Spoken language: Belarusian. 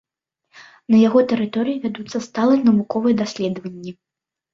На яго тэрыторыі вядуцца сталыя навуковыя даследаванні.